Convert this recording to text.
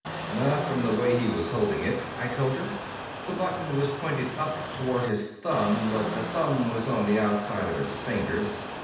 "Not from the way he was holding it," I told her. "The button was pointed up toward his thumb but the thumb was on the outside of his fingers."